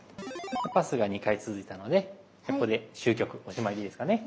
パスが２回続いたのでここで終局おしまいでいいですかね？